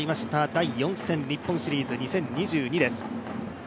第４戦、日本シリーズ２０２２です。